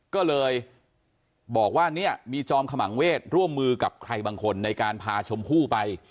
ก็เลยบอกว่าเนี่ยมีจอมขมังเวศร่วมมือกับใครบางคนในการพาชมพู่ไป